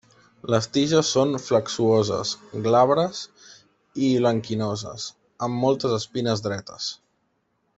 Les tiges són flexuoses, glabres i blanquinoses, amb moltes espines dretes.